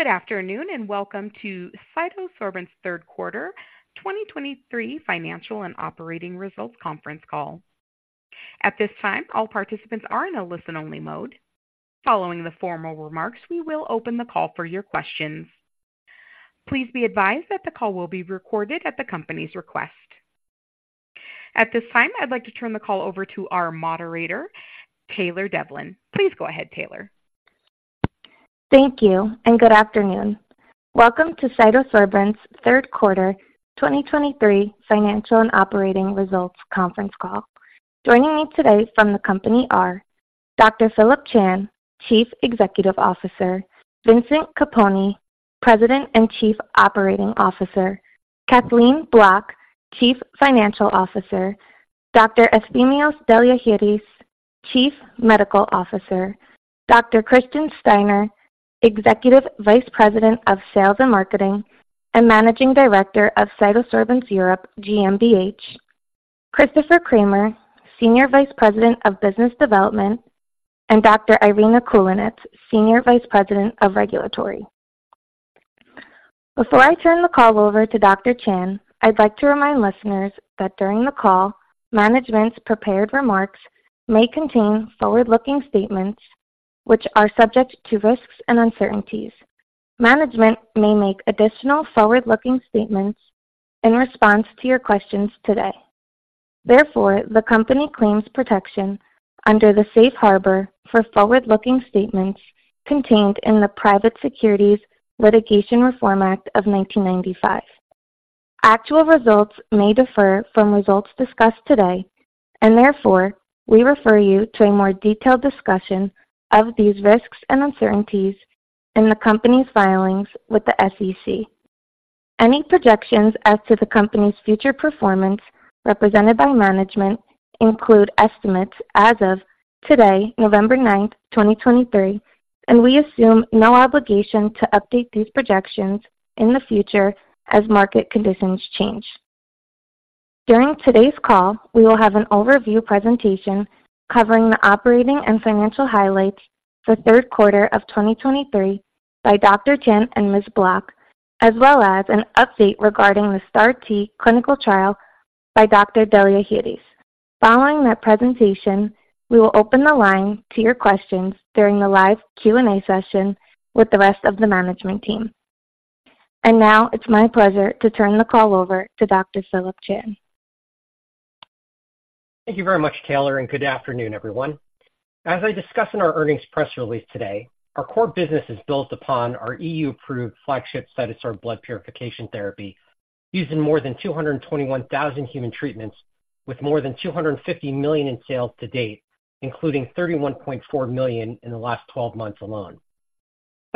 Good afternoon, and welcome to CytoSorbents' third quarter 2023 financial and operating results conference call. At this time, all participants are in a listen-only mode. Following the formal remarks, we will open the call for your questions. Please be advised that the call will be recorded at the company's request. At this time, I'd like to turn the call over to our moderator, Taylor Devlin. Please go ahead, Taylor. Thank you and good afternoon. Welcome to CytoSorbents' third quarter 2023 financial and operating results conference call. Joining me today from the company are Dr. Phillip Chan, Chief Executive Officer; Vincent Capponi, President and Chief Operating Officer; Kathleen Bloch, Chief Financial Officer; Dr. Efthymios Deliargyris, Chief Medical Officer; Dr. Christian Steiner, Executive Vice President of Sales and Marketing and Managing Director of CytoSorbents Europe GmbH; Christopher Cramer, Senior Vice President of Business Development; and Dr. Irina Kulinets, Senior Vice President of Regulatory. Before I turn the call over to Dr. Chan, I'd like to remind listeners that during the call, management's prepared remarks may contain forward-looking statements which are subject to risks and uncertainties. Management may make additional forward-looking statements in response to your questions today. Therefore, the company claims protection under the Safe Harbor for forward-looking statements contained in the Private Securities Litigation Reform Act of 1995. Actual results may differ from results discussed today, and therefore, we refer you to a more detailed discussion of these risks and uncertainties in the company's filings with the SEC. Any projections as to the company's future performance represented by management include estimates as of today, November 9, 2023, and we assume no obligation to update these projections in the future as market conditions change. During today's call, we will have an overview presentation covering the operating and financial highlights for the third quarter of 2023 by Dr. Phillip Chan and Ms. Bloch, as well as an update regarding the STAR-T clinical trial by Dr. Deliargyris. Following that presentation, we will open the line to your questions during the live Q&A session with the rest of the management team. Now it's my pleasure to turn the call over to Dr. Phillip Chan. Thank you very much, Taylor, and good afternoon, everyone. As I discuss in our earnings press release today, our core business is built upon our E.U-approved Flagship CytoSorb blood purification therapy, used in more than 221,000 human treatments with more than $250 million in sales to date, including $31.4 million in the last 12 months alone.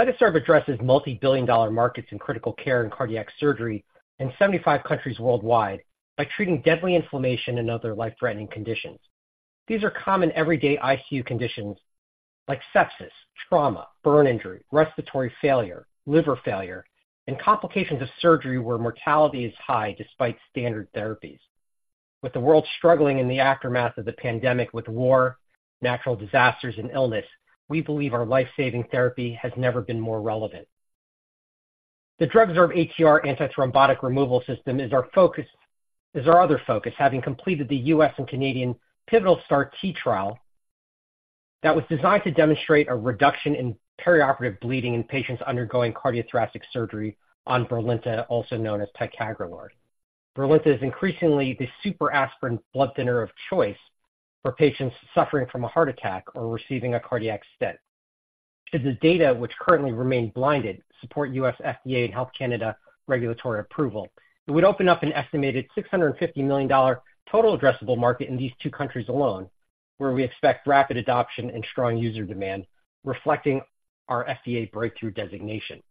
CytoSorb addresses multi-billion-dollar markets in critical care and cardiac surgery in 75 countries worldwide by treating deadly inflammation and other life-threatening conditions. These are common, everyday ICU conditions like sepsis, trauma, burn injury, respiratory failure, liver failure, and complications of surgery where mortality is high despite standard therapies. With the world struggling in the aftermath of the pandemic, with war, natural disasters, and illness, we believe our life-saving therapy has never been more relevant. The DrugSorb-ATR antithrombotic removal system is our focus, is our other focus, having completed the U.S. and Canadian pivotal STAR-T trial that was designed to demonstrate a reduction in perioperative bleeding in patients undergoing cardiothoracic surgery on Brilinta, also known as ticagrelor. Brilinta is increasingly the super aspirin blood thinner of choice for patients suffering from a heart attack or receiving a cardiac stent. Should the data, which currently remain blinded, support U.S. FDA and Health Canada regulatory approval, it would open up an estimated $650 million total addressable market in these two countries alone, where we expect rapid adoption and strong user demand, reflecting our FDA breakthrough designation.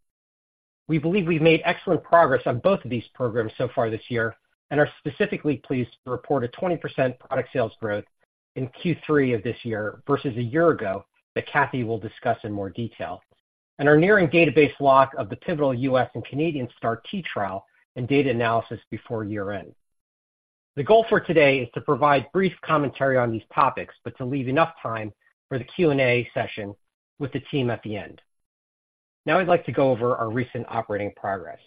We believe we've made excellent progress on both of these programs so far this year and are specifically pleased to report a 20% product sales growth in Q3 of this year versus a year ago that Kathy will discuss in more detail, and are nearing database lock of the pivotal U.S. and Canadian STAR-T trial and data analysis before year-end. The goal for today is to provide brief commentary on these topics, but to leave enough time for the Q&A session with the team at the end. Now I'd like to go over our recent operating progress.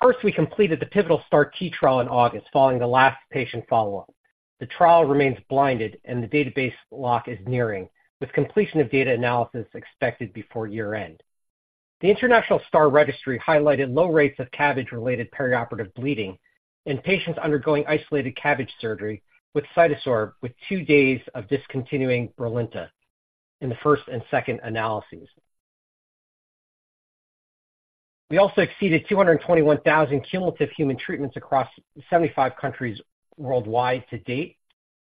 First, we completed the pivotal STAR-T trial in August, following the last patient follow-up. The trial remains blinded and the database lock is nearing, with completion of data analysis expected before year-end. The International STAR Registry highlighted low rates of CABG-related perioperative bleeding in patients undergoing isolated CABG surgery with CytoSorb, with two days of discontinuing Brilinta in the first and second analyses. We also exceeded 221,000 cumulative human treatments across 75 countries worldwide to date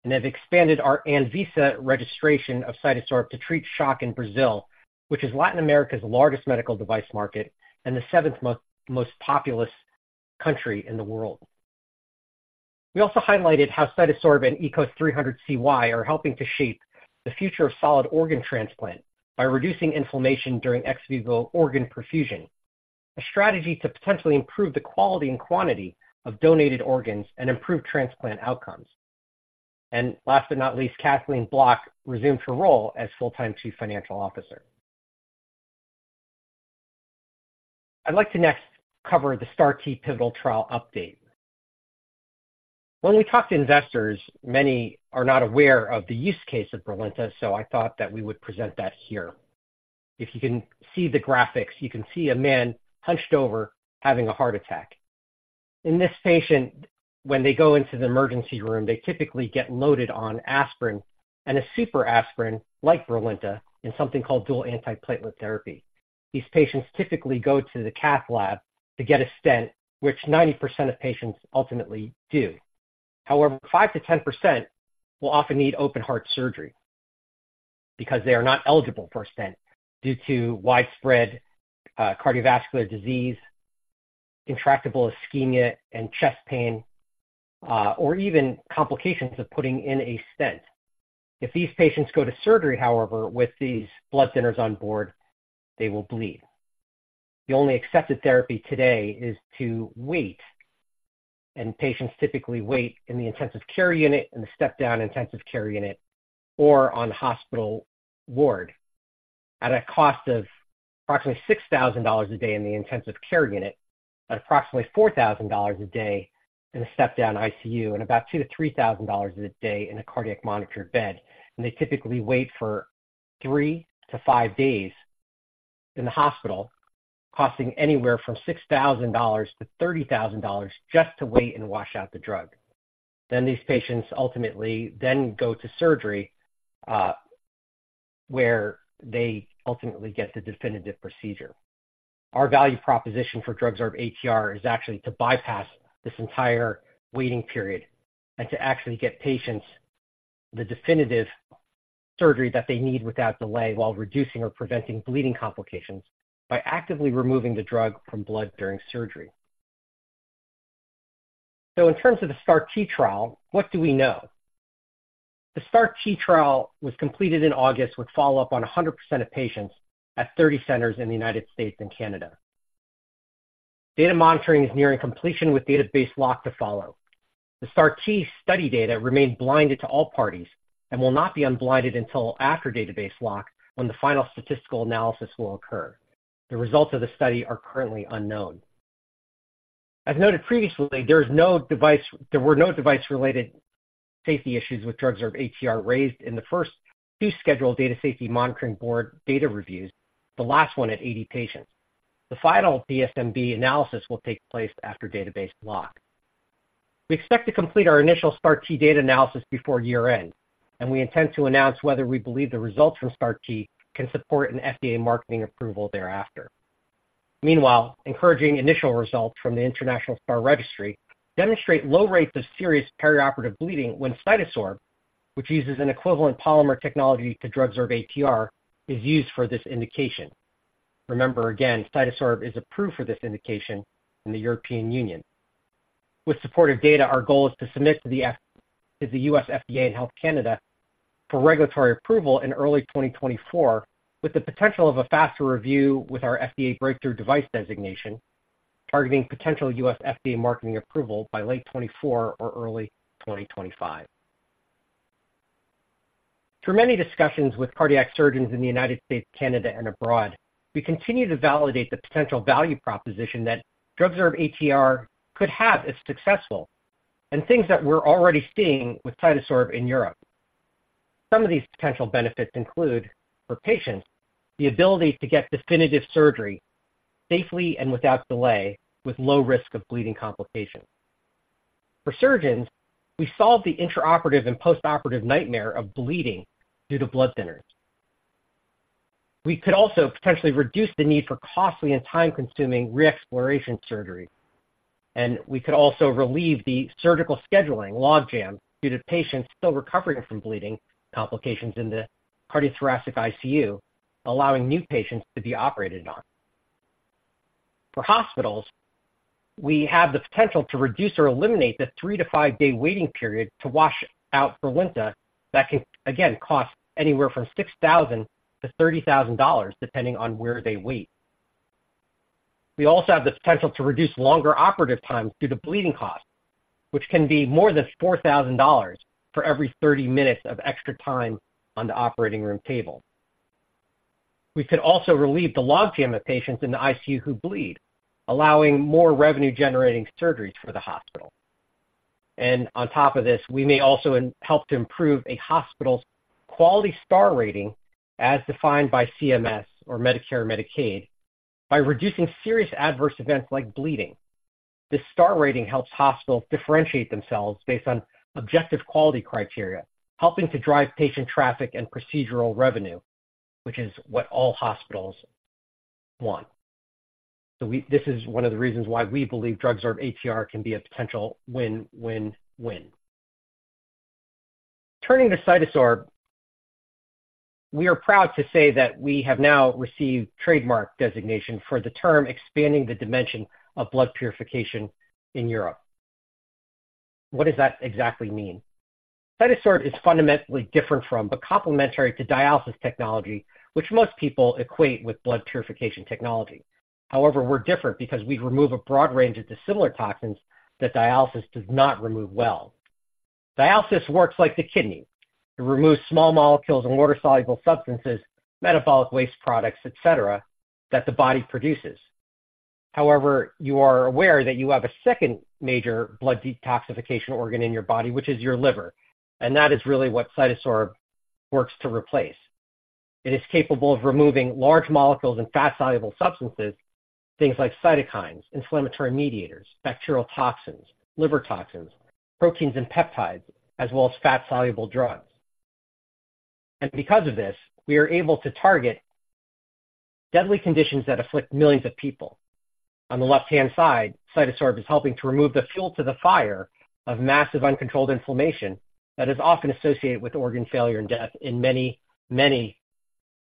and have expanded our ANVISA registration of CytoSorb to treat shock in Brazil, which is Latin America's largest medical device market and the seventh most populous country in the world. We also highlighted how CytoSorb and ECOS-300CY are helping to shape the future of solid organ transplant by reducing inflammation during ex Vivo organ perfusion... A strategy to potentially improve the quality and quantity of donated organs and improve transplant outcomes. And last but not least, Kathleen Bloch resumed her role as full-time Chief Financial Officer. I'd like to next cover the STAR-T pivotal trial update. When we talk to investors, many are not aware of the use case of Brilinta, so I thought that we would present that here. If you can see the graphics, you can see a man hunched over, having a heart attack. In this patient, when they go into the emergency room, they typically get loaded on aspirin and a super aspirin like Brilinta, in something called dual antiplatelet therapy. These patients typically go to the cath lab to get a stent, which 90% of patients ultimately do. However, 5%-10% will often need open heart surgery because they are not eligible for a stent due to widespread, cardiovascular disease, intractable ischemia and chest pain, or even complications of putting in a stent. If these patients go to surgery, however, with these blood thinners on board, they will bleed. The only accepted therapy today is to wait, and patients typically wait in the intensive care unit, in the step-down intensive care unit, or on hospital ward at a cost of approximately $6,000 a day in the intensive care unit, and approximately $4,000 a day in a step-down ICU, and about $2,000-$3,000 a day in a cardiac monitored bed. They typically wait for.3-5 days in the hospital, costing anywhere from $6,000 to $30,000 just to wait and wash out the drug. Then these patients ultimately then go to surgery, where they ultimately get the definitive procedure. Our value proposition for DrugSorb-ATR is actually to bypass this entire waiting period and to actually get patients the definitive surgery that they need without delay, while reducing or preventing bleeding complications by actively removing the drug from blood during surgery. So in terms of the STAR-T trial, what do we know? The STAR-T trial was completed in August with follow-up on 100% of patients at 30 centers in the United States and Canada. Data monitoring is nearing completion, with database lock to follow. The STAR-T study data remains blinded to all parties and will not be unblinded until after database lock, when the final statistical analysis will occur. The results of the study are currently unknown. As noted previously, there were no device-related safety issues with DrugSorb-ATR raised in the first two scheduled Data Safety Monitoring Board data reviews, the last one at 80 patients. The final DSMB analysis will take place after database lock. We expect to complete our initial STAR-T data analysis before year-end, and we intend to announce whether we believe the results from STAR-T can support an FDA marketing approval thereafter. Meanwhile, encouraging initial results from the International STAR Registry demonstrate low rates of serious perioperative bleeding when CytoSorb, which uses an equivalent polymer technology to DrugSorb-ATR, is used for this indication. Remember, again, CytoSorb is approved for this indication in the European Union. With supportive data, our goal is to submit to the U.S. FDA and Health Canada for regulatory approval in early 2024, with the potential of a faster review with our FDA breakthrough device designation, targeting potential U.S. FDA marketing approval by late 2024 or early 2025. Through many discussions with cardiac surgeons in the United States, Canada, and abroad, we continue to validate the potential value proposition that DrugSorb-ATR could have if successful, and things that we're already seeing with CytoSorb in Europe. Some of these potential benefits include, for patients, the ability to get definitive surgery safely and without delay, with low risk of bleeding complications. For surgeons, we solve the intraoperative and postoperative nightmare of bleeding due to blood thinners. We could also potentially reduce the need for costly and time-consuming reexploration surgery, and we could also relieve the surgical scheduling logjam due to patients still recovering from bleeding complications in the cardiothoracic ICU, allowing new patients to be operated on. For hospitals, we have the potential to reduce or eliminate the 3-5 day waiting period to wash out Brilinta. That can, again, cost anywhere from $6,000 to $30,000, depending on where they wait. We also have the potential to reduce longer operative times due to bleeding costs, which can be more than $4,000 for every 30 minutes of extra time on the operating room table. We could also relieve the logjam of patients in the ICU who bleed, allowing more revenue-generating surgeries for the hospital. On top of this, we may also help to improve a hospital's quality star rating, as defined by CMS or Medicare/Medicaid, by reducing serious adverse events like bleeding. This star rating helps hospitals differentiate themselves based on objective quality criteria, helping to drive patient traffic and procedural revenue, which is what all hospitals want. This is one of the reasons why we believe DrugSorb-ATR can be a potential win-win-win. Turning to CytoSorb, we are proud to say that we have now received trademark designation for the term expanding the dimension of blood purification in Europe. What does that exactly mean? CytoSorb is fundamentally different from, but complementary to dialysis technology, which most people equate with blood purification technology. However, we're different because we remove a broad range of dissimilar toxins that dialysis does not remove well. Dialysis works like the kidney. It removes small molecules and water-soluble substances, metabolic waste products, et cetera, that the body produces. However, you are aware that you have a second major blood detoxification organ in your body, which is your liver, and that is really what CytoSorb works to replace. It is capable of removing large molecules and fat-soluble substances, things like cytokines, inflammatory mediators, bacterial toxins, liver toxins, proteins, and peptides, as well as fat-soluble drugs. Because of this, we are able to target deadly conditions that afflict millions of people. On the left-hand side, CytoSorb is helping to remove the fuel to the fire of massive, uncontrolled inflammation that is often associated with organ failure and death in many, many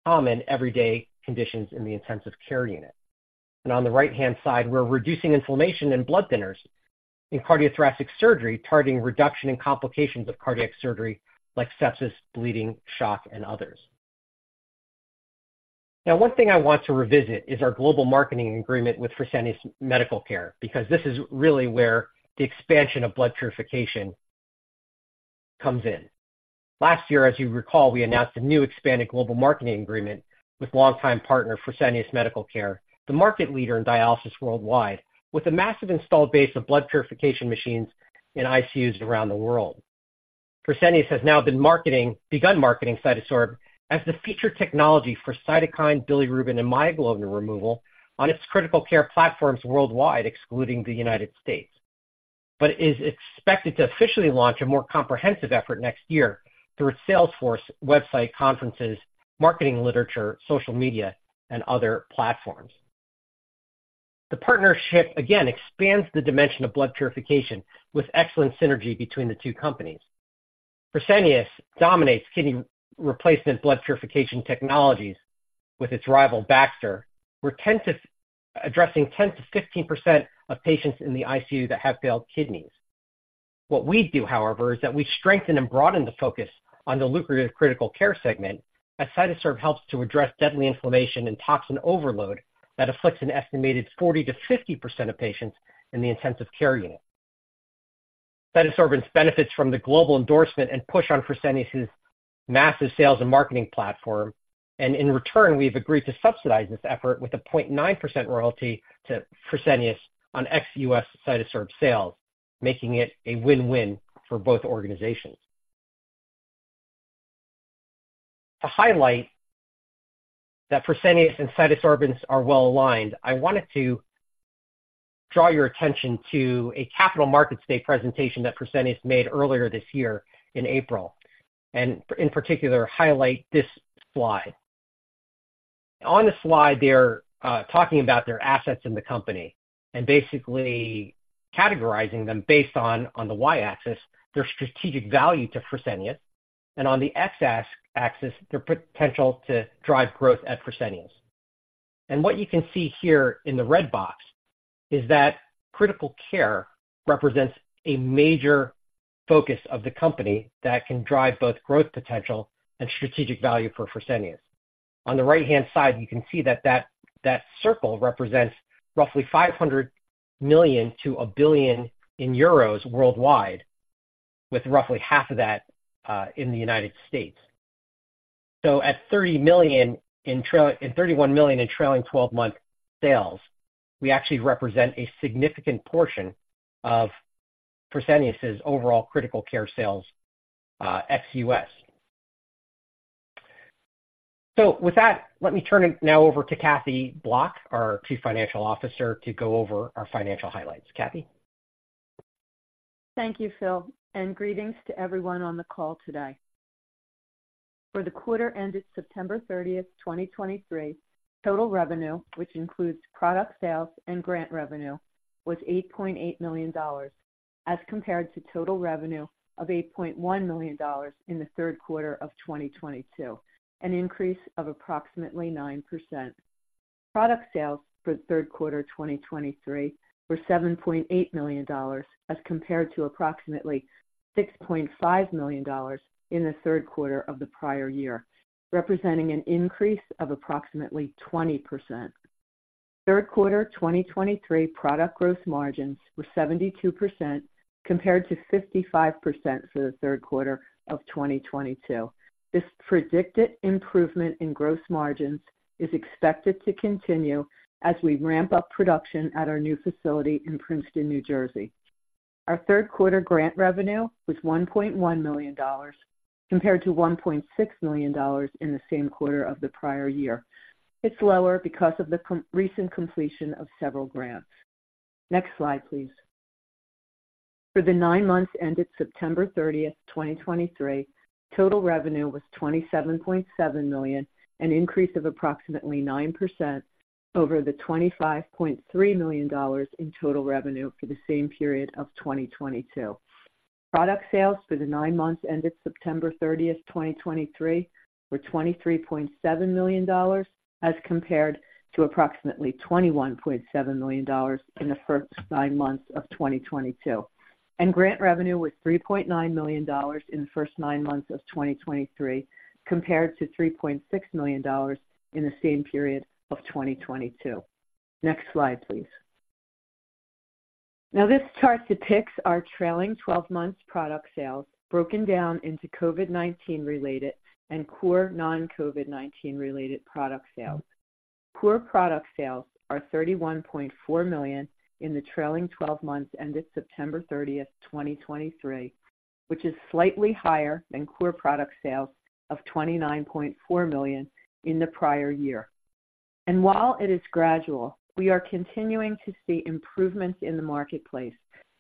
common everyday conditions in the intensive care unit. On the right-hand side, we're reducing inflammation and blood thinners in cardiothoracic surgery, targeting reduction in complications of cardiac surgery like sepsis, bleeding, shock, and others. Now, one thing I want to revisit is our global marketing agreement with Fresenius Medical Care, because this is really where the expansion of blood purification comes in. Last year, as you recall, we announced a new expanded global marketing agreement with longtime partner, Fresenius Medical Care, the market leader in dialysis worldwide, with a massive installed base of blood purification machines in ICUs around the world. Fresenius has now begun marketing CytoSorb as the featured technology for cytokine, bilirubin, and myoglobin removal on its critical care platforms worldwide, excluding the United States, but is expected to officially launch a more comprehensive effort next year through its sales force, website, conferences, marketing literature, social media, and other platforms. The partnership again expands the dimension of blood purification with excellent synergy between the two companies. Fresenius dominates kidney replacement blood purification technologies with its rival, Baxter. We're addressing 10%-15% of patients in the ICU that have failed kidneys. What we do, however, is that we strengthen and broaden the focus on the lucrative critical care segment, as CytoSorb helps to address deadly inflammation and toxin overload that afflicts an estimated 40%-50% of patients in the intensive care unit. CytoSorbents benefits from the global endorsement and push on Fresenius' massive sales and marketing platform, and in return, we've agreed to subsidize this effort with a 0.9% royalty to Fresenius on ex-U.S CytoSorb sales, making it a win-win for both organizations. To highlight that Fresenius and CytoSorbents are well aligned, I wanted to draw your attention to a capital markets day presentation that Fresenius made earlier this year in April, and in particular, highlight this slide. On the slide, they're talking about their assets in the company and basically categorizing them based on, on the Y-axis, their strategic value to Fresenius, and on the X-axis, their potential to drive growth at Fresenius. What you can see here in the red box is that critical care represents a major focus of the company that can drive both growth potential and strategic value for Fresenius. On the right-hand side, you can see that circle represents roughly 500 million-one billion euros worldwide, with roughly half of that in the United States. So at $30 million in trailing and $31 million in trailing 12 month sales, we actually represent a significant portion of Fresenius' overall critical care sales, ex-U.S. So with that, let me turn it now over to Kathleen Bloch, our Chief Financial Officer, to go over our financial highlights. Kathy? Thank you, Phil, and greetings to everyone on the call today. For the quarter ended September 30th, 2023, total revenue, which includes product sales and grant revenue, was $8.8 million, as compared to total revenue of $8.1 million in the third quarter of 2022, an increase of approximately 9%. Product sales for the third quarter, 2023, were $7.8 million, as compared to approximately $6.5 million in the third quarter of the prior year, representing an increase of approximately 20%. Third quarter, 2023, product gross margins were 72%, compared to 55% for the third quarter of 2022. This predicted improvement in gross margins is expected to continue as we ramp up production at our new facility in Princeton, New Jersey. Our third quarter grant revenue was $1.1 million, compared to $1.6 million in the same quarter of the prior year. It's lower because of the recent completion of several grants. Next slide, please. For the nine months ended September 30, 2023, total revenue was $27.7 million, an increase of approximately 9% over the $25.3 million in total revenue for the same period of 2022. Product sales for the nine months ended September 30, 2023, were $23.7 million, as compared to approximately $21.7 million in the first nine months of 2022. Grant revenue was $3.9 million in the first nine months of 2023, compared to $3.6 million in the same period of 2022. Next slide, please. Now, this chart depicts our trailing 12 months product sales, broken down into COVID-19 related and core non-COVID-19 related product sales. Core product sales are $31.4 million in the trailing 12 months ended September 30th, 2023, which is slightly higher than core product sales of $29.4 million in the prior year. While it is gradual, we are continuing to see improvements in the marketplace,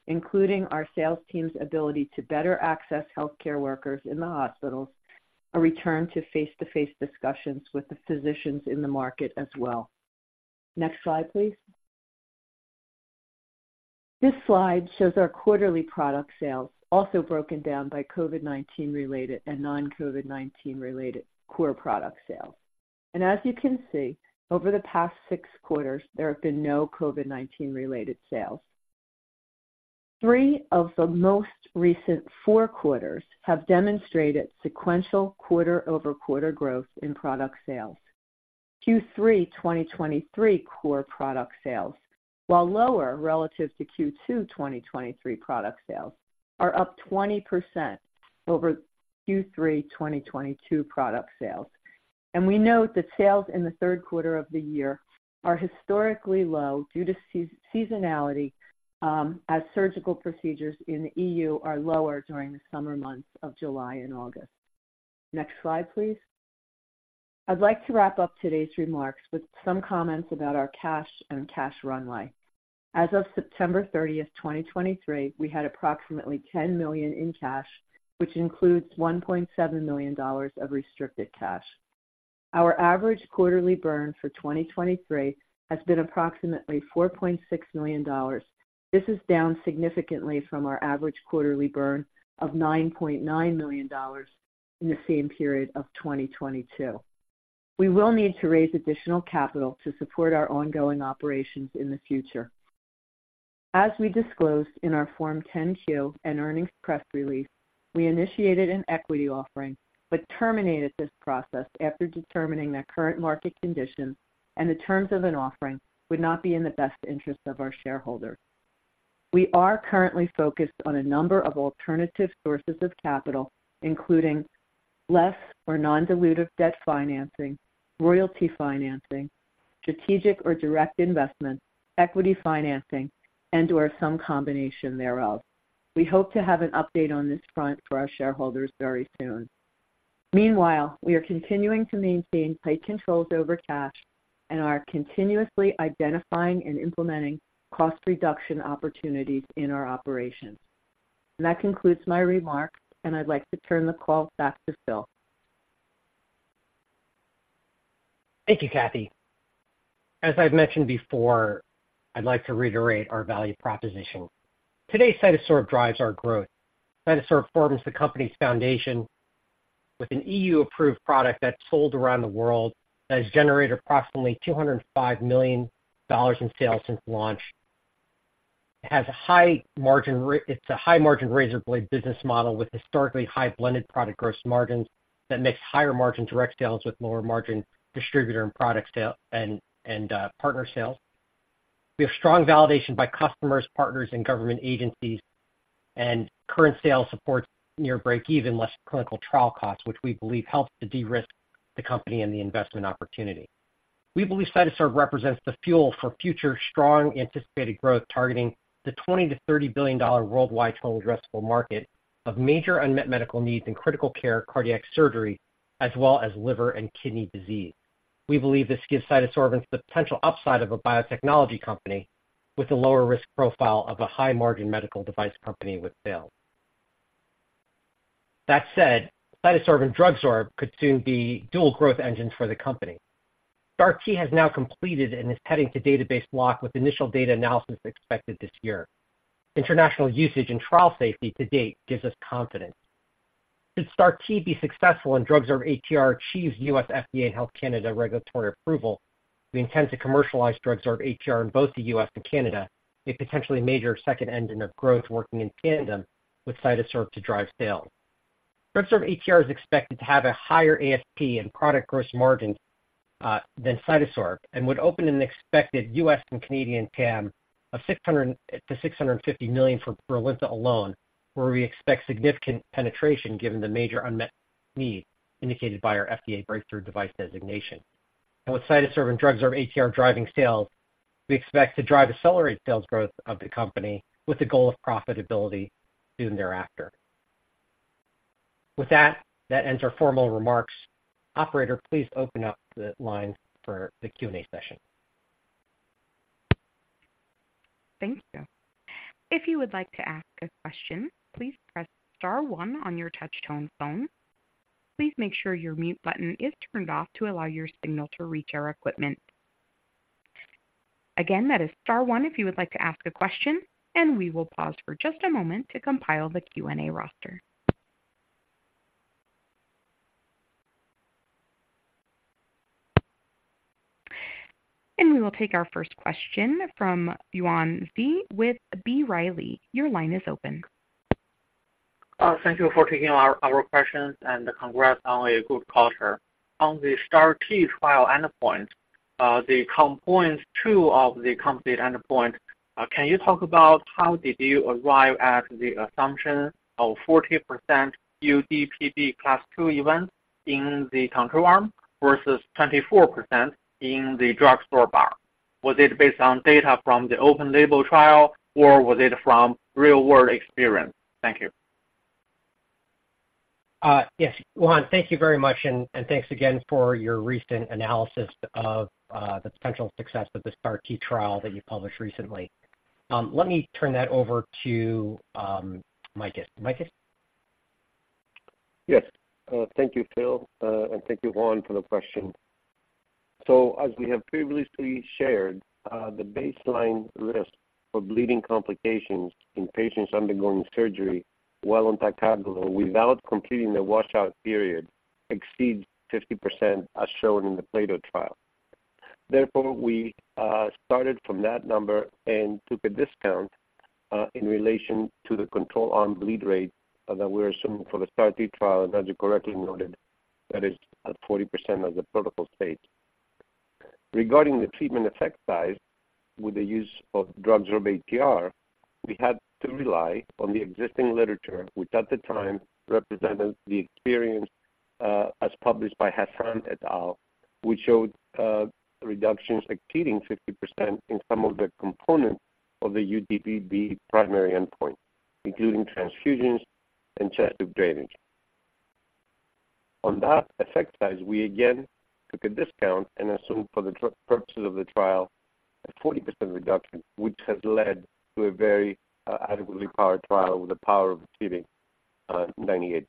including our sales team's ability to better access healthcare workers in the hospitals, a return to face-to-face discussions with the physicians in the market as well. Next slide, please. This slide shows our quarterly product sales, also broken down by COVID-19 related and non-COVID-19 related core product sales. As you can see, over the past six quarters, there have been no COVID-19 related sales. Three of the most recent four quarters have demonstrated sequential quarter-over-quarter growth in product sales. Q3 2023 core product sales, while lower relative to Q2 2023 product sales, are up 20% over Q3 2022 product sales. We note that sales in the third quarter of the year are historically low due to seasonality, as surgical procedures in the E.U are lower during the summer months of July and August. Next slide, please. I'd like to wrap up today's remarks with some comments about our cash and cash runway. As of September 30, 2023, we had approximately $10 million in cash, which includes $1.7 million of restricted cash. Our average quarterly burn for 2023 has been approximately $4.6 million. This is down significantly from our average quarterly burn of $9.9 million in the same period of 2022. We will need to raise additional capital to support our ongoing operations in the future. As we disclosed in our Form 10-Q and earnings press release, we initiated an equity offering, but terminated this process after determining that current market conditions and the terms of an offering would not be in the best interest of our shareholder. We are currently focused on a number of alternative sources of capital, including less or non-dilutive debt financing, royalty financing, strategic or direct investment, equity financing, and/or some combination thereof. We hope to have an update on this front for our shareholders very soon. Meanwhile, we are continuing to maintain tight controls over cash and are continuously identifying and implementing cost reduction opportunities in our operations. That concludes my remarks, and I'd like to turn the call back to Phil. Thank you, Kathy. As I've mentioned before, I'd like to reiterate our value proposition. Today, CytoSorb drives our growth. CytoSorb forms the company's foundation with an E.U-approved product that's sold around the world, that has generated approximately $205 million in sales since launch. It has a high margin it's a high-margin razor blade business model with historically high blended product gross margins that mix higher-margin direct sales with lower-margin distributor and product sale and partner sales. We have strong validation by customers, partners, and government agencies, and current sales support near breakeven, less clinical trial costs, which we believe helps to de-risk the company and the investment opportunity. We believe CytoSorb represents the fuel for future strong anticipated growth, targeting the $20 billion-$30 billion worldwide total addressable market of major unmet medical needs in critical care, cardiac surgery, as well as liver and kidney disease. We believe this gives CytoSorb the potential upside of a biotechnology company with a lower risk profile of a high-margin medical device company with sales. That said, CytoSorb and DrugSorb could soon be dual growth engines for the company. STAR-T has now completed and is heading to database lock with initial data analysis expected this year. International usage and trial safety to date gives us confidence. Should STAR-T be successful and DrugSorb-ATR achieves U.S. FDA and Health Canada regulatory approval, we intend to commercialize DrugSorb-ATR in both the U.S. and Canada, a potentially major second engine of growth working in tandem with CytoSorb to drive sales. DrugSorb-ATR is expected to have a higher ASP and product gross margin than CytoSorb and would open an expected U.S. and Canadian TAM of $600 million-$650 million for Brilinta alone, where we expect significant penetration given the major unmet need indicated by our FDA breakthrough device designation. With CytoSorb and DrugSorb-ATR driving sales, we expect to drive accelerate sales growth of the company with the goal of profitability soon thereafter. With that, that ends our formal remarks. Operator, please open up the line for the Q&A session.... Thank you. If you would like to ask a question, please press star one on your touch-tone phone. Please make sure your mute button is turned off to allow your signal to reach our equipment. Again, that is star one if you would like to ask a question, and we will pause for just a moment to compile the Q&A roster. And we will take our first question from Yuan Zhi with B. Riley. Your line is open. Thank you for taking our, our questions, and congrats on a good quarter. On the STAR-T trial endpoint, the component two of the complete endpoint, can you talk about how did you arrive at the assumption of 40% UDPP class two events in the control arm versus 24% in the DrugSorb-ATR? Was it based on data from the open label trial, or was it from real-world experience? Thank you. Yes. Yuan, thank you very much, and thanks again for your recent analysis of the potential success of the STAR-T trial that you published recently. Let me turn that over to Makis. Makis? Yes. Thank you, Phil. And thank you, Juan, for the question. So as we have previously shared, the baseline risk for bleeding complications in patients undergoing surgery while on ticagrelor, without completing the washout period, exceeds 50%, as shown in the PLATO trial. Therefore, we started from that number and took a discount in relation to the control arm bleed rate that we're assuming for the STAR-T trial, and as you correctly noted, that is at 40% as the protocol states. Regarding the treatment effect size with the use of DrugSorb-ATR, we had to rely on the existing literature, which at the time represented the experience as published by Hassan et al, which showed reductions exceeding 50% in some of the components of the UDPP primary endpoint, including transfusions and chest tube drainage. On that effect size, we again took a discount and assumed for the purposes of the trial, a 40% reduction, which has led to a very, adequately powered trial with a power of achieving, 98%.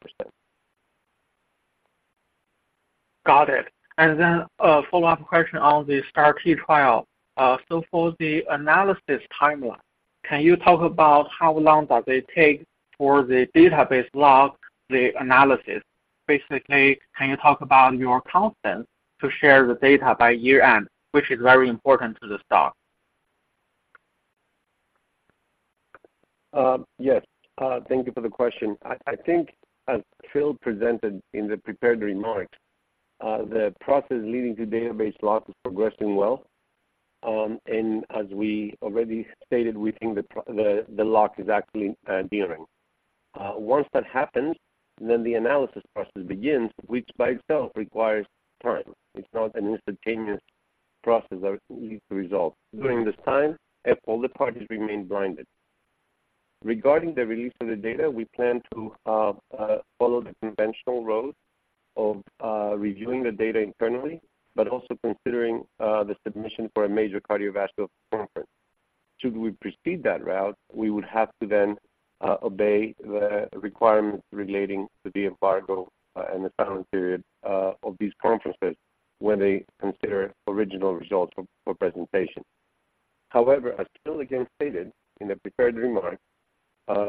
Got it. And then a follow-up question on the STAR-T trial. So for the analysis timeline, can you talk about how long does it take for the database lock, the analysis? Basically, can you talk about your confidence to share the data by year-end, which is very important to the stock? Yes, thank you for the question. I think as Phil presented in the prepared remarks, the process leading to database lock is progressing well. And as we already stated, we think the lock is actually nearing. Once that happens, then the analysis process begins, which by itself requires time. It's not an instantaneous process that needs to resolve. During this time, all the parties remain blinded. Regarding the release of the data, we plan to follow the conventional route of reviewing the data internally, but also considering the submission for a major cardiovascular conference. Should we proceed that route, we would have to then obey the requirements relating to the embargo and the silent period of these conferences when they consider original results for presentation. However, as Phil again stated in the prepared remarks,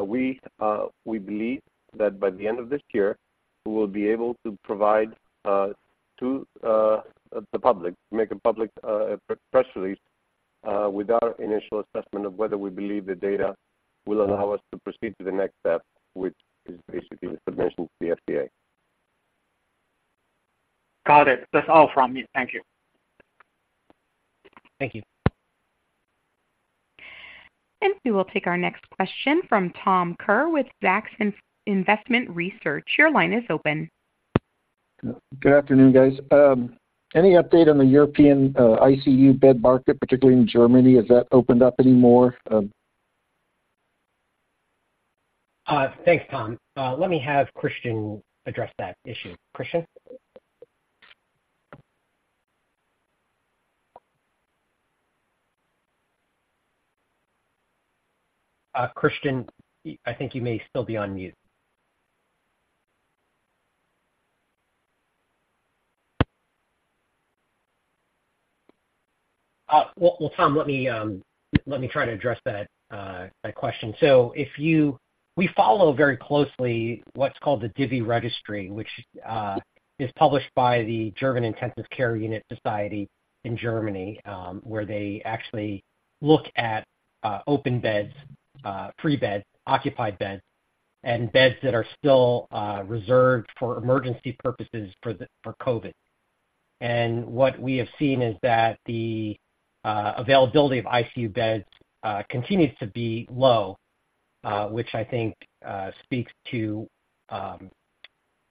we believe that by the end of this year, we will be able to provide to the public, make a public press release, with our initial assessment of whether we believe the data will allow us to proceed to the next step, which is basically the submission to the FDA. Got it. That's all from me. Thank you. Thank you. We will take our next question from Tom Kerr with Zacks Investment Research. Your line is open. Good afternoon, guys. Any update on the European ICU bed market, particularly in Germany? Has that opened up any more? Thanks, Tom. Let me have Christian address that issue. Christian? Christian, I think you may still be on mute. Well, Tom, let me try to address that question. So if you-- we follow very closely what's called the DIVI Registry, which is published by the German Intensive Care Unit Society in Germany, where they actually look at open beds, free beds, occupied beds, and beds that are still reserved for emergency purposes for the, for COVID. And what we have seen is that the availability of ICU beds continues to be low, which I think speaks to,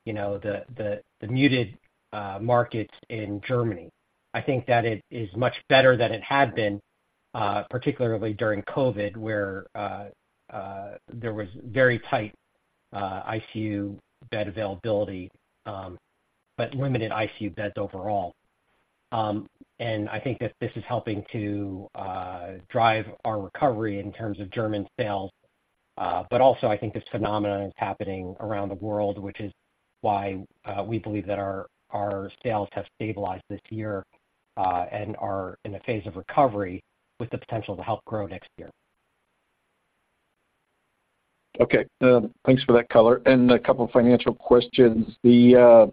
you know, the, the, the muted markets in Germany. I think that it is much better than it had been, particularly during COVID, where there was very tight ICU bed availability, but limited ICU beds overall. I think that this is helping to drive our recovery in terms of German sales. But also I think this phenomenon is happening around the world, which is why we believe that our sales have stabilized this year, and are in a phase of recovery with the potential to help grow next year. Okay. Thanks for that color. A couple of financial questions. The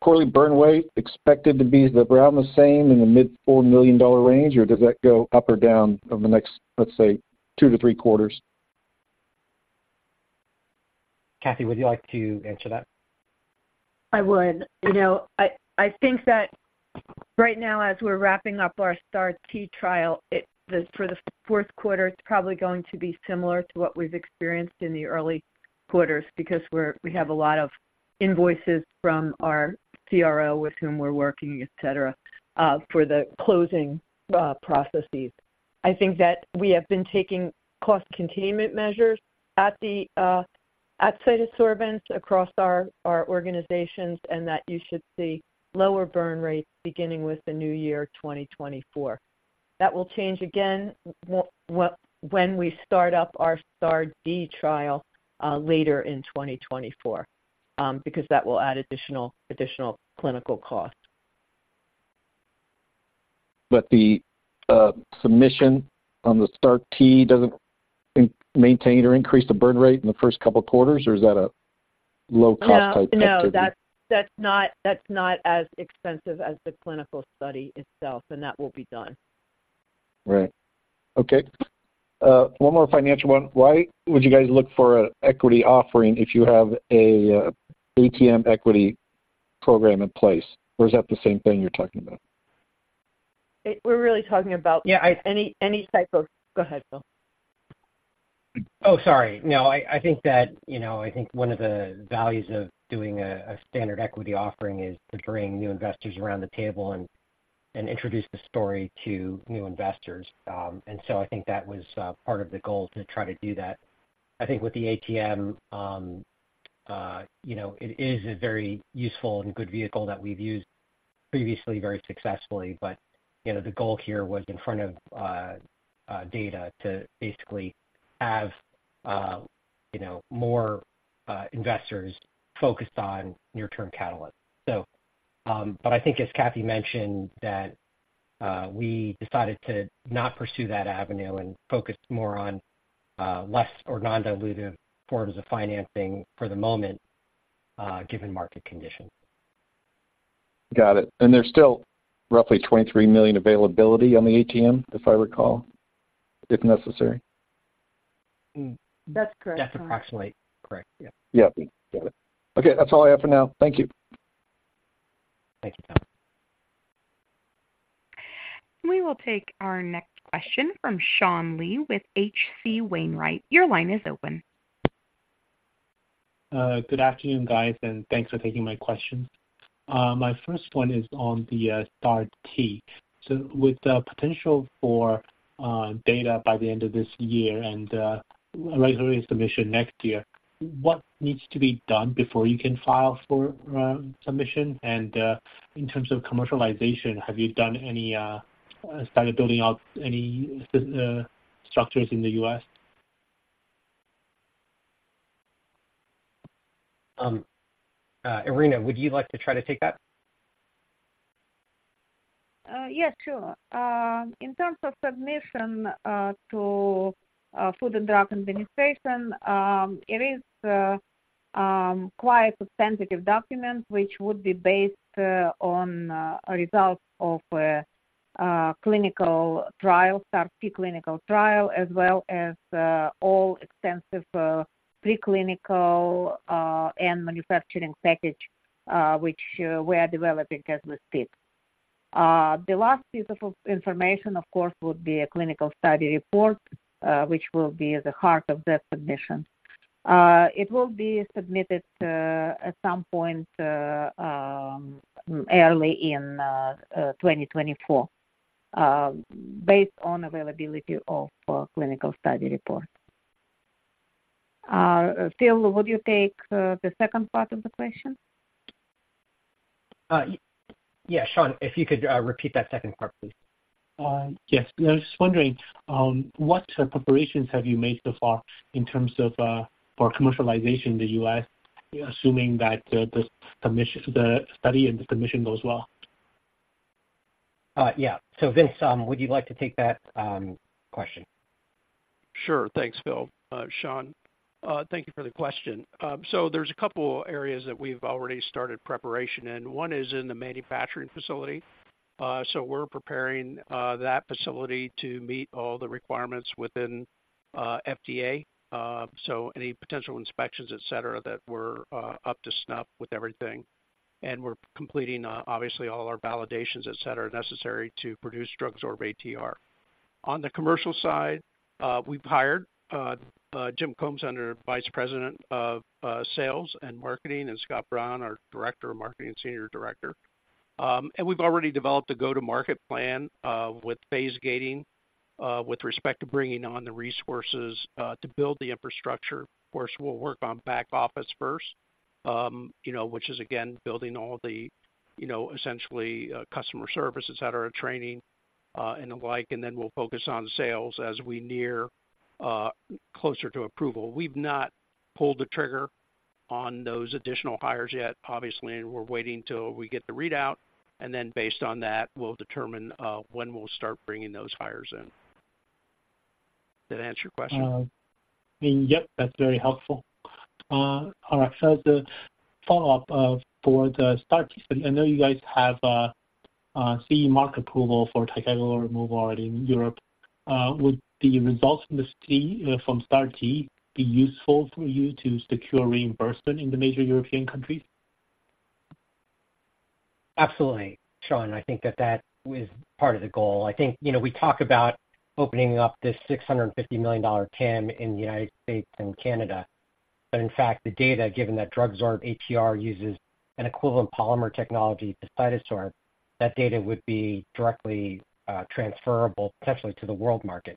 quarterly burn rate expected to be around the same in the mid-$4 million range, or does that go up or down over the next, let's say, 2-3 quarters? Kathy, would you like to answer that? I would. You know, I think that right now, as we're wrapping up our STAR-T trial, it, for the fourth quarter, it's probably going to be similar to what we've experienced in the early quarters because we have a lot of invoices from our CRO, with whom we're working, et cetera, for the closing processes. I think that we have been taking cost containment measures at the CytoSorbents across our organizations, and that you should see lower burn rates beginning with the new year, 2024. That will change again, when we start up our STAR-D trial, later in 2024, because that will add additional, additional clinical costs. But the submission on the STAR-T doesn't maintain or increase the burn rate in the first couple of quarters, or is that a low cost type activity? No, that's not as expensive as the clinical study itself, and that will be done. Right. Okay. One more financial one. Why would you guys look for an equity offering if you have an ATM equity program in place? Or is that the same thing you're talking about? We're really talking about- Yeah, I- Any type of... Go ahead, Phil. Oh, sorry. No, I think that, you know, I think one of the values of doing a standard equity offering is to bring new investors around the table and introduce the story to new investors. And so I think that was part of the goal to try to do that. I think with the ATM, you know, it is a very useful and good vehicle that we've used previously very successfully, but, you know, the goal here was in front of data to basically have you know, more investors focused on near-term catalysts. So, but I think, as Kathy mentioned, that we decided to not pursue that avenue and focus more on less or non-dilutive forms of financing for the moment, given market conditions. Got it. There's still roughly $23 million availability on the ATM, if I recall, if necessary? That's correct. That's approximately correct. Yeah. Yeah. Got it. Okay, that's all I have for now. Thank you. Thank you. We will take our next question from Sean Lee with H.C. Wainwright. Your line is open. Good afternoon, guys, and thanks for taking my question. My first one is on the STAR-T. So with the potential for data by the end of this year and a regulatory submission next year, what needs to be done before you can file for submission? In terms of commercialization, have you done any started building out any structures in the U.S.? Irina, would you like to try to take that? Yes, sure. In terms of submission to Food and Drug Administration, it is quite a sensitive document, which would be based on results of clinical trial, STAR-T clinical trial, as well as all extensive preclinical and manufacturing package, which we are developing as listed. The last piece of information, of course, would be a clinical study report, which will be at the heart of that submission. It will be submitted at some point early in 2024, based on availability of clinical study report. Phil, would you take the second part of the question? Yeah, Sean, if you could repeat that second part, please. Yes. I was just wondering what preparations have you made so far in terms of for commercialization in the U.S., assuming that the study and the submission goes well? Yeah. So Vince, would you like to take that question? Sure. Thanks, Phil. Sean, thank you for the question. So there's a couple areas that we've already started preparation in. One is in the manufacturing facility. So we're preparing that facility to meet all the requirements within FDA, so any potential inspections, et cetera, that we're up to snuff with everything. And we're completing obviously all our validations, et cetera, necessary to produce DrugSorb-ATR. On the commercial side, we've hired Jim Combs, our Vice President of Sales and Marketing, and Scott Brown, our Director of Marketing and Senior Director. And we've already developed a go-to-market plan with phase gating with respect to bringing on the resources to build the infrastructure, of course, we'll work on back office first. You know, which is again, building all the, you know, essentially, customer service, et cetera, training, and the like, and then we'll focus on sales as we near closer to approval. We've not pulled the trigger on those additional hires yet. Obviously, we're waiting till we get the readout, and then based on that, we'll determine when we'll start bringing those hires in. Did that answer your question? Yep, that's very helpful. All right, so as a follow-up, for the STAR-T study, I know you guys have a CE Mark approval for ticagrelor removal already in Europe. Would the results from STAR-T be useful for you to secure reimbursement in the major European countries? Absolutely, Sean. I think that that is part of the goal. I think, you know, we talk about opening up this $650 million TAM in the United States and Canada. But in fact, the data, given that DrugSorb-ATR uses an equivalent polymer technology to CytoSorb, that data would be directly transferable, potentially to the world market,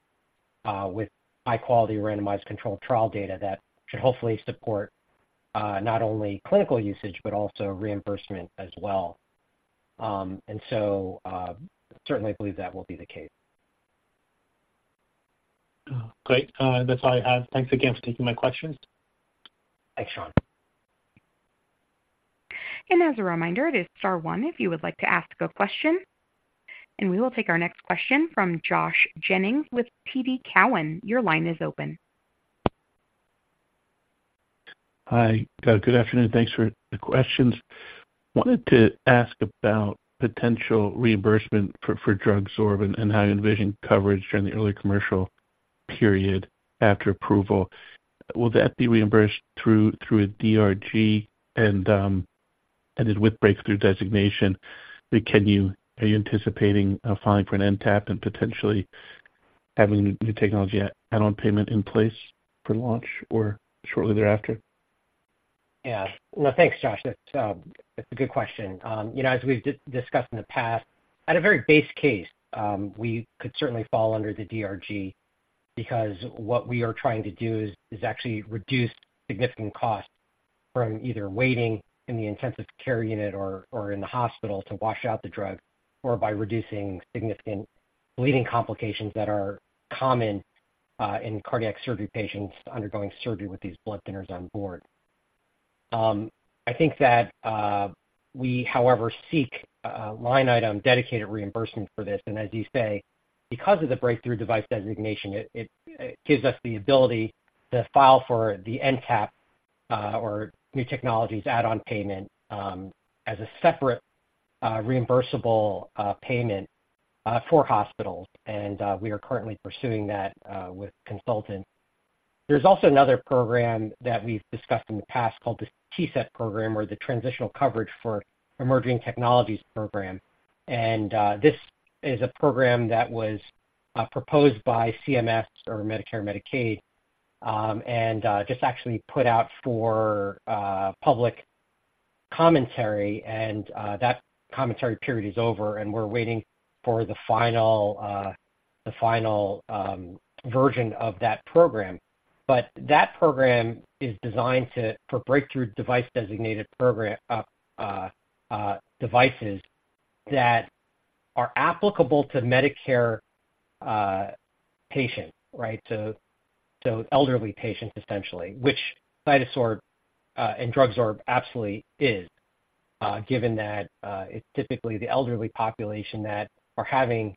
with high-quality randomized controlled trial data that should hopefully support not only clinical usage, but also reimbursement as well. And so, certainly I believe that will be the case. Oh, great. That's all I have. Thanks again for taking my questions. Thanks, Sean. As a reminder, it is star one if you would like to ask a question. We will take our next question from Josh Jennings with TD Cowen. Your line is open. Hi, good afternoon. Thanks for the questions. Wanted to ask about potential reimbursement for DrugSorb and how you envision coverage during the early commercial period after approval. Will that be reimbursed through a DRG and, with breakthrough designation, are you anticipating filing for an NTAP and potentially having new technology add-on payment in place for launch or shortly thereafter? Yeah. Well, thanks, Josh. That's a good question. You know, as we've discussed in the past, at a very base case, we could certainly fall under the DRG because what we are trying to do is actually reduce significant costs from either waiting in the intensive care unit or in the hospital to wash out the drug, or by reducing significant bleeding complications that are common in cardiac surgery patients undergoing surgery with these blood thinners on board. I think that we, however, seek a line item dedicated reimbursement for this. And as you say, because of the Breakthrough Device Designation, it gives us the ability to file for the NTAP, or New Technology Add-on Payment, as a separate reimbursable payment for hospitals, and we are currently pursuing that with consultants. There's also another program that we've discussed in the past called the TCET program, or the Transitional Coverage for Emerging Technologies program. This is a program that was proposed by CMS or Medicare, Medicaid, and just actually put out for public commentary, and that commentary period is over, and we're waiting for the final version of that program. But that program is designed to... for breakthrough device designated program, devices that are applicable to Medicare patients, right? So elderly patients, essentially, which CytoSorb and DrugSorb absolutely is, given that it's typically the elderly population that are having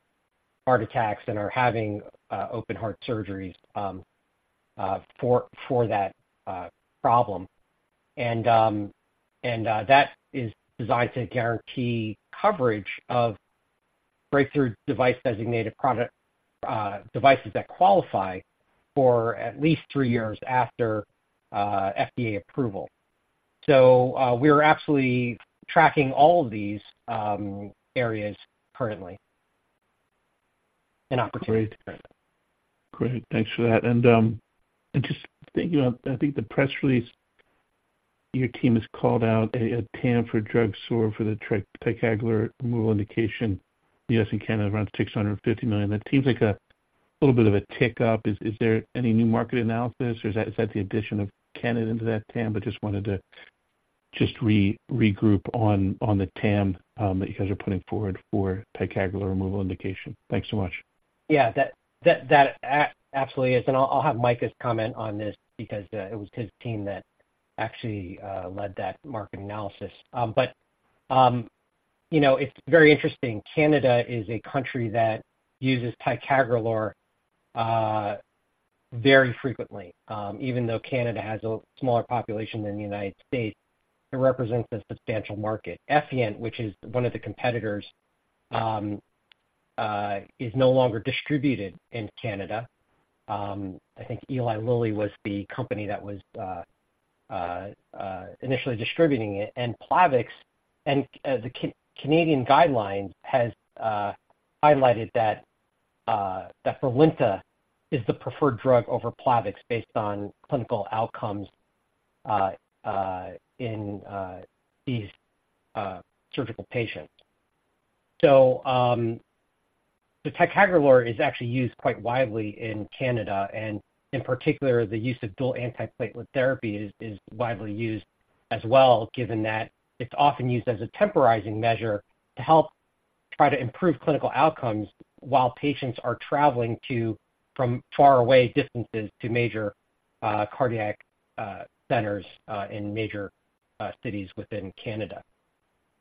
heart attacks and are having open heart surgeries, for that problem. That is designed to guarantee coverage of breakthrough device designated product, devices that qualify for at least three years after FDA approval. We're absolutely tracking all of these areas currently and opportunities. Great. Great, thanks for that. And just thinking about, I think the press release, your team has called out a TAM for DrugSorb for the ticagrelor removal indication, the U.S. and Canada, around $650 million. That seems like a little bit of a tick up. Is there any new market analysis, or is that the addition of Canada into that TAM? But just wanted to regroup on the TAM that you guys are putting forward for ticagrelor removal indication. Thanks so much. Yeah, that absolutely is. And I'll have Makis comment on this because it was his team that actually led that market analysis. But you know, it's very interesting. Canada is a country that uses ticagrelor very frequently. Even though Canada has a smaller population than the United States, it represents a substantial market. Effient, which is one of the competitors, is no longer distributed in Canada. I think Eli Lilly was the company that was initially distributing it. And Plavix and the Canadian guidelines has highlighted that Brilinta is the preferred drug over Plavix based on clinical outcomes in these surgical patients. So, the Ticagrelor is actually used quite widely in Canada, and in particular, the use of dual antiplatelet therapy is widely used as well, given that it's often used as a temporizing measure to help try to improve clinical outcomes while patients are traveling from far away distances to major cardiac centers in major cities within Canada.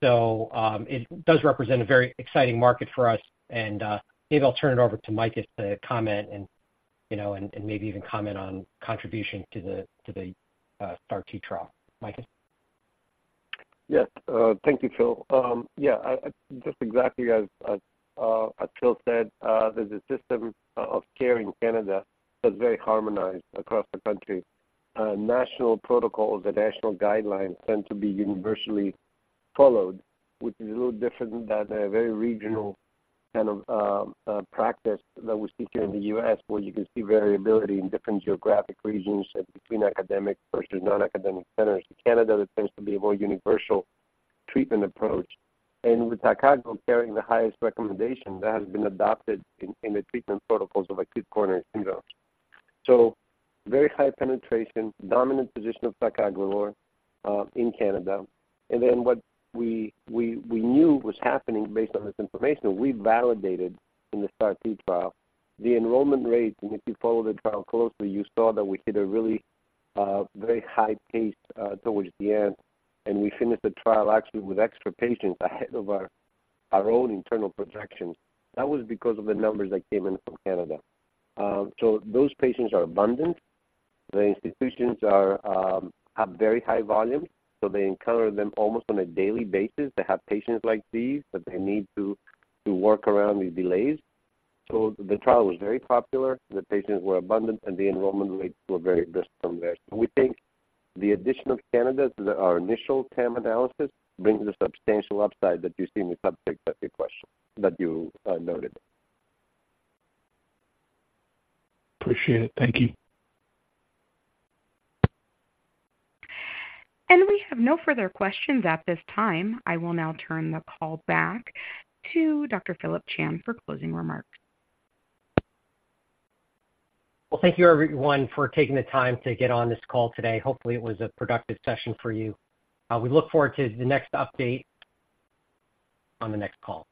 So, it does represent a very exciting market for us. And, maybe I'll turn it over to Makis to comment and, you know, and maybe even comment on contributions to the STAR-T trial. Makis? Yes. Thank you, Phil. Yeah, I just exactly as Phil said, the system of care in Canada is very harmonized across the country. National protocols or national guidelines tend to be universally followed, which is a little different than the very regional kind of practice that we see here in the U.S., where you can see variability in different geographic regions and between academic versus non-academic centers. In Canada, there tends to be a more universal treatment approach, and with ticagrelor carrying the highest recommendation, that has been adopted in the treatment protocols of acute coronary syndromes. So very high penetration, dominant position of ticagrelor in Canada. And then what we knew was happening based on this information, we validated in the STAR-T trial, the enrollment rates. If you follow the trial closely, you saw that we hit a really very high pace towards the end, and we finished the trial actually with extra patients ahead of our own internal projections. That was because of the numbers that came in from Canada. So those patients are abundant. The institutions have very high volumes, so they encounter them almost on a daily basis. They have patients like these that they need to work around these delays. So the trial was very popular, the patients were abundant, and the enrollment rates were very brisk from there. We think the addition of Canada to our initial TAM analysis brings a substantial upside that you see in the subject of your question that you noted. Appreciate it. Thank you. We have no further questions at this time. I will now turn the call back to Dr. Phillip Chan for closing remarks. Well, thank you everyone for taking the time to get on this call today. Hopefully, it was a productive session for you. We look forward to the next update on the next call.